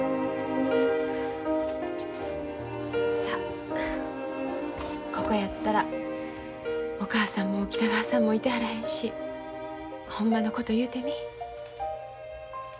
さあここやったらお母さんも北川さんもいてはらへんしほんまのこと言うてみ。